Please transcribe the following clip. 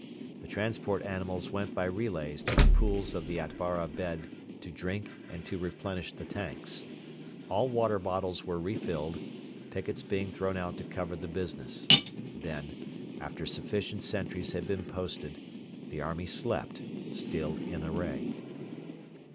The transport animals went by relays to the pools of the Atbara bed to drink and to replenish the tanks. All water bottles were refilled, pickets being thrown out to cover the business. Then, after sufficient sentries had been posted, the army slept, still in array.